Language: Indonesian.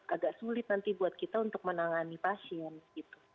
agak sulit nanti buat kita untuk menangani pasien gitu